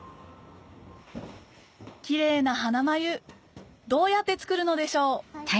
キレイな花まゆどうやって作るのでしょう？